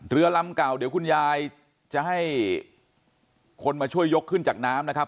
เรือลำเก่าเดี๋ยวคุณยายจะให้คนมาช่วยยกขึ้นจากน้ำนะครับ